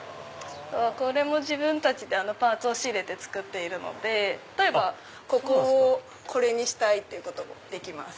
これも自分たちでパーツを仕入れて作ってるので例えばここをこれにしたい！っていうこともできます。